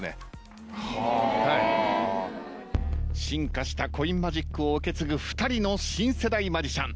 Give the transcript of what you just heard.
進化したコインマジックを受け継ぐ２人の新世代マジシャン。